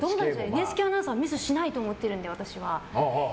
ＮＨＫアナウンサーはミスしないと思っているので私は。